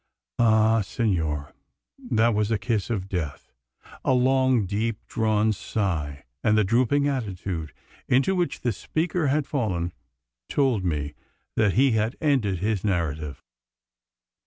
Ah! senor, that was a kiss of death!" A long deep drawn sigh, and the drooping attitude into which the speaker had fallen, told me that he had ended his narrative.